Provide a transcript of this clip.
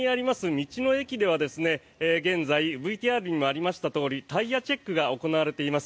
道の駅では現在、ＶＴＲにもありましたとおりタイヤチェックが行われています。